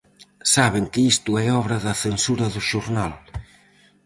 Saben que isto é obra da censura do xornal.